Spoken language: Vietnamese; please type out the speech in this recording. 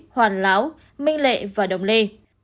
hoàn láo minh lệ và đồng lê